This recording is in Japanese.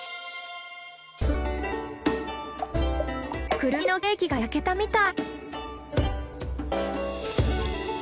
クルミのケーキが焼けたみたい。